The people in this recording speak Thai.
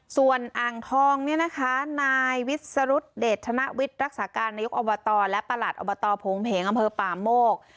ส่วนอ่างทองเนี่ยนะคะนายวิสรุธเดชธนวิทย์รักษาการนายกอบตและประหลัดอบตโผงเพงอำเภอป่าโมก